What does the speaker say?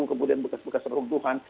kemudian bekas bekas terung tuhan